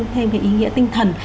thêm cái ý nghĩa tinh thần